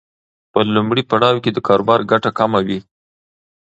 په لومړي پړاو کې د کاروبار ګټه کمه وي.